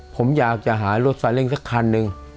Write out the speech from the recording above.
ผมอยากจะหารถสาเร่งสักคันหนึ่ง